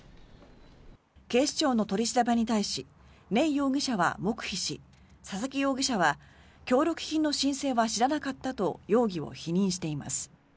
警視庁の取り調べに対しネン容疑者は黙秘し佐々木容疑者は協力金の申請は知らなかったと容疑を否認しています。